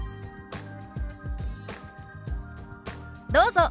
どうぞ。